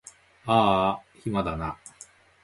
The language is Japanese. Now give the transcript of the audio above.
あーあ暇だな